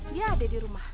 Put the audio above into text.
dia ada di rumah